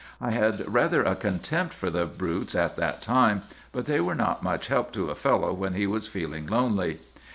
I had rather a contempt for the brutes at that time, but they were not much help to a fellow when he was feeling lonely.